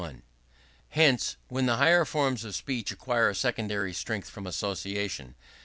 Hence, then, the higher forms of speech acquire a secondary strength from association.